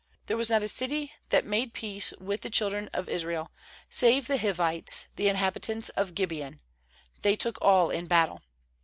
19There was not a city that made peace with the children of Israel, save the Hivites the inhabitants of Gibeon; they took all in battle.